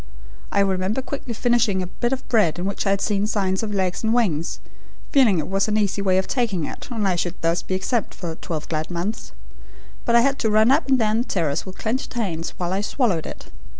I remember quickly finishing a bit of bread in which I had seen signs of legs and wings, feeling it was an easy way of taking it and I should thus be exempt for twelve glad months; but I had to run up and down the terrace with clenched hands while I swallowed it.